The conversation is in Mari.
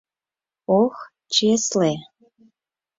Ох, чесле!